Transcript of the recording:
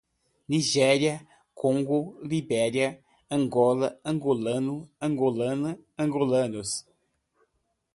Nigéria, Congo, Libéria, Angola, angolano, angolana, angolanos